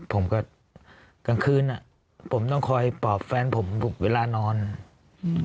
กลางคืนอ่ะผมต้องคอยปอบแฟนผมเวลานอนอืม